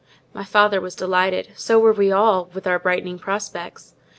My father was delighted, so were we all, with our brightening prospects.